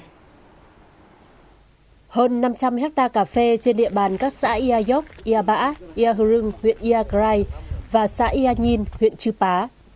hơn năm trăm linh hectare cà phê trên địa bàn các xã yayaok yaba yahurung huyện yagrai và xã yanyin huyện chupá